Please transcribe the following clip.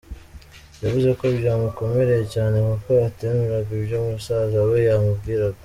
Yavuze ko byamukomereye cyane kuko atemeraga ibyo musaza we yamubwiraga.